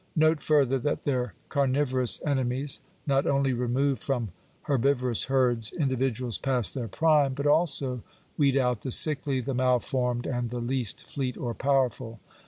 Note further, that their carnivorous enemies not only remove from herbivorous herds individuals past their prime, but also weed out the sickly, the malformed, and the least fleet or powerful.